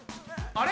あれ？